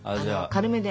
軽めで。